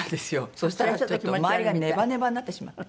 そしたらちょっと周りがネバネバになってしまって。